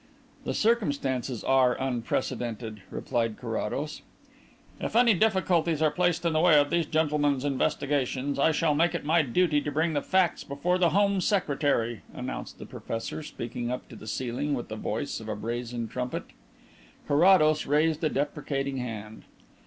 "The circumstances are unprecedented," replied Carrados. "If any difficulties are placed in the way of these gentlemen's investigations, I shall make it my duty to bring the facts before the Home Secretary," announced the professor; speaking up to the ceiling with the voice of a brazen trumpet. Carrados raised a deprecating hand.